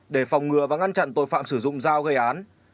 để phòng ngừa và ngăn chặn tội phạm sử dụng dao gây án